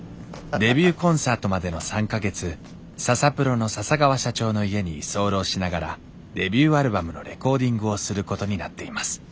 デビューコンサートまでの３か月ササプロの笹川社長の家に居候しながらデビューアルバムのレコーディングをすることになっています